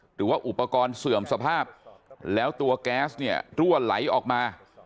หรือว่าอุปกรณ์เสื่อมสภาพแล้วตัวแก๊สเนี่ยรั่วไหลออกมา